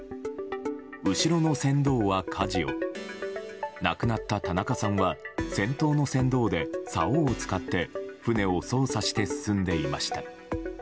後ろの船頭はかじを亡くなった田中さんは先頭の船頭でさおを使って船を操作して進んでいました。